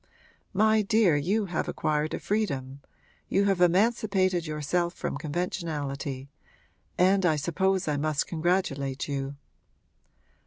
My dear, you have acquired a freedom you have emancipated yourself from conventionality and I suppose I must congratulate you.'